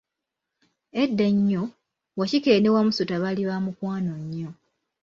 Edda ennyo, Wakikere ne Wamusota baali bamukwano nnyo.